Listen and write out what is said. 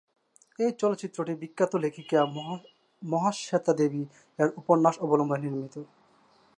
এই চলচ্চিত্রটি বিখ্যাত লেখিকা মহাশ্বেতা দেবী এর উপন্যাস অবলম্বনে নির্মিত।